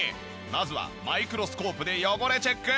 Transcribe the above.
まずはマイクロスコープで汚れチェック。